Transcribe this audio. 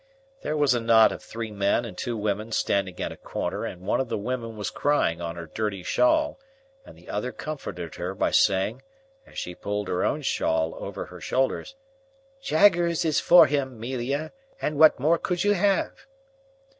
There was a knot of three men and two women standing at a corner, and one of the women was crying on her dirty shawl, and the other comforted her by saying, as she pulled her own shawl over her shoulders, "Jaggers is for him, 'Melia, and what more could you have?"